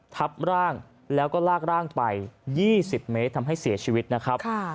ทับร่างแล้วก็ลากร่างไป๒๐เมตรทำให้เสียชีวิตนะครับ